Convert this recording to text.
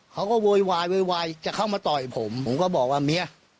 โวยวายโวยวายจะเข้ามาต่อยผมผมก็บอกว่าเมีย